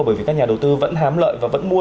bởi vì các nhà đầu tư vẫn hám lợi và vẫn mua